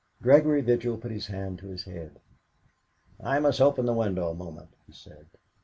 Gregory Vigil put his hand to his head. "I must open the window a moment," he said.